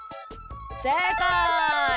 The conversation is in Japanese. せいかい！